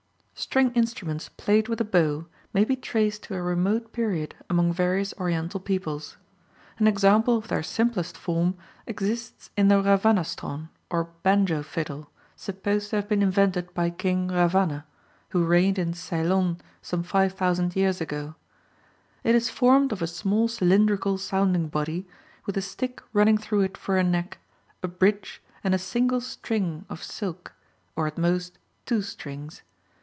String instruments played with a bow may be traced to a remote period among various Oriental peoples. An example of their simplest form exists in the ravanastron, or banjo fiddle, supposed to have been invented by King Ravana, who reigned in Ceylon some 5,000 years ago. It is formed of a small cylindrical sounding body, with a stick running through it for a neck, a bridge, and a single string of silk, or at most two strings.